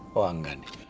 wah enggak nih